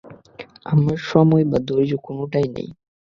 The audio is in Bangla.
আমার সময় বা ধৈর্য কোনোটাই নেই।